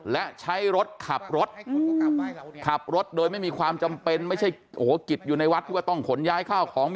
และใช้รถขับรถขับรถโดยไม่มีความจำเป็นไม่ใช่กิจอยู่ในวัดที่ว่าต้องขนย้ายข้าวของ